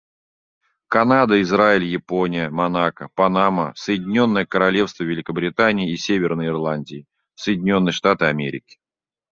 Канада, Израиль, Япония, Монако, Панама, Соединенное Королевство Великобритании и Северной Ирландии, Соединенные Штаты Америки.